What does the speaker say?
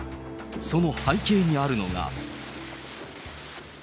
その背景にあるのが。